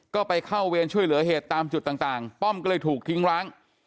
ก็ไปเข้าเวรช่วยเหลือเหตุตามจุดต่างป้อมก็เลยถูกทิ้งร้าง